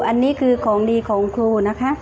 อันนี้คือของดีของครูนะคะ